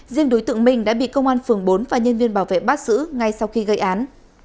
riêng đối tượng minh đã bị công an phường bốn và nhân viên bảo vệ bắt giữ ngay sau khi gây án